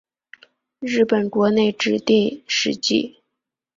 日本国内指定史迹。